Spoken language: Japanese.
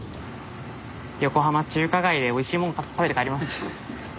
横浜中華街でおいしいもん買って食べて帰ります。